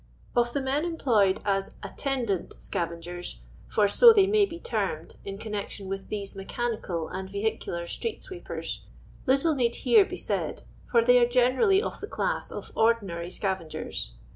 — Of the men employed as "attendant" scavengers, for so they may be termed, in connection with these mechanical and vehicular street sweepers, little need here be said, for they are generally of the class of ordinary scavengers.